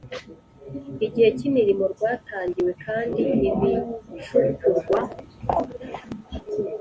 igihe cy imirimo rwatangiwe kandi ibicukurwa